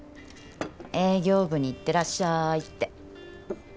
営業部に行ってらっしゃいって。